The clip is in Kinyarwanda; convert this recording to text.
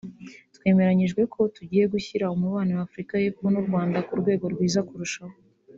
twemeranyije ko tugiye gushyira umubano wa Afurika y’Epfo n’u Rwanda ku rwego rwiza kurushaho